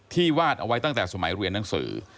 วาดเอาไว้ตั้งแต่สมัยเรียนหนังสือ